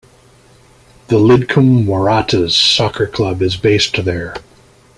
The Lidcombe Waratahs soccer club is based there.